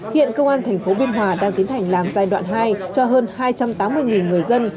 hiện công an tp biên hòa đang tiến hành làm giai đoạn hai cho hơn hai trăm tám mươi người dân